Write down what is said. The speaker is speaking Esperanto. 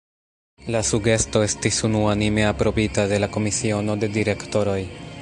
La sugesto estis unuanime aprobita de la Komisiono de direktoroj.